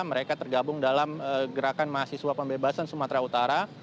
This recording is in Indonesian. mereka tergabung dalam gerakan mahasiswa pembebasan sumatera utara